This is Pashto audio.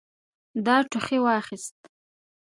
ده ټوخي واخيست.